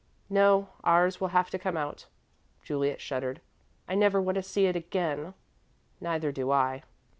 "No. Ours will have to come out." Juliet shuddered. "I never want to see it again." "Neither do I."